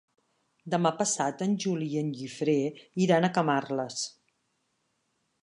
Demà passat en Juli i en Guifré iran a Camarles.